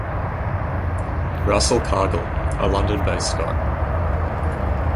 Russell-Cargill, a London-based Scot.